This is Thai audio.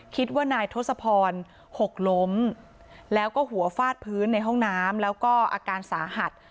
คิดว่านายทศพรหกล้มแล้วก็หัวฟาดพื้นในห้องน้ำแล้วก็อาการสาหัส